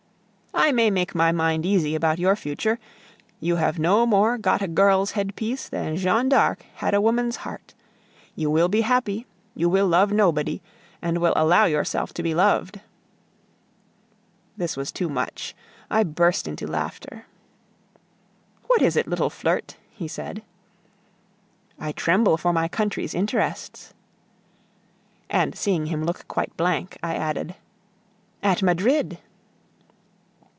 "I may make my mind easy about your future. You have no more got a girl's headpiece than Jeanne d'Arc had a woman's heart. You will be happy, you will love nobody, and will allow yourself to be loved." This was too much. I burst into laughter. "What is it, little flirt?" he said. "I tremble for my country's interests..." And seeing him look quite blank, I added: "At Madrid!"